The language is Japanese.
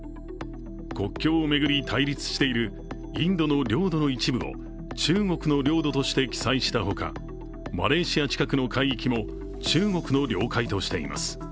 国境を巡り対立しているインドの領土の一部を中国の領土として記載したほか、マレーシア近くの領域も中国の領海としています。